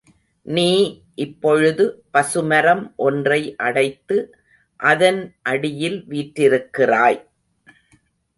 நீ இப்பொழுது பசுமரம் ஒன்றை அடைத்து அதன் அடியில் வீற்றிருக்கிறாய்.